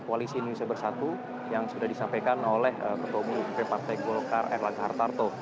koalisi indonesia bersatu yang sudah disampaikan oleh ketua muslim partai golkar r laga hartarto